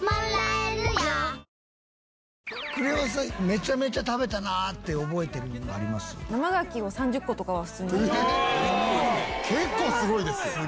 めちゃめちゃ食べたなって覚えてるのあります？